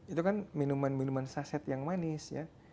itu kan minuman minuman saset yang manis ya